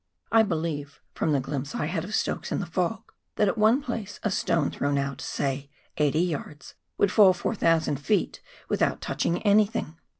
I believe, from the glimpse I had of Stokes in the fog, that at one place a stone thrown out, say, eighty yards, would fall 4,000 ft. without touching anything.